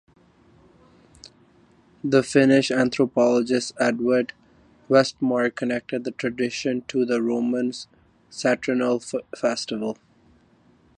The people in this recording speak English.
The Finnish anthropologist Edvard Westermarck connected the tradition to the Roman Saturnalia festival.